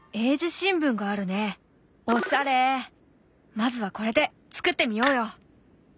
まずはこれで作ってみようよ。